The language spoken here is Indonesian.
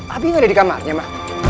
abi gak ada di kamarnya ma